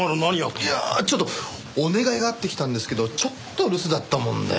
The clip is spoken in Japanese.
いやあちょっとお願いがあって来たんですけどちょっと留守だったもんで。